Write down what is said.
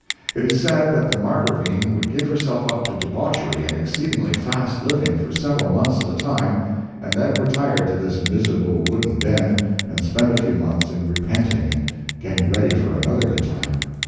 It is said that the Margravine would give herself up to debauchery and exceedingly fast living for several months at a time, and then retire to this miserable wooden den and spend a few months in repenting and getting ready for another good time.